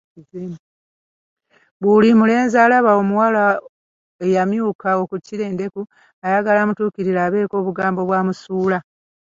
Buli mulenzi alaba ku muwala eyamyuka okukira endeku ayagala amutuukirire abeeko obugambo bwamusuula.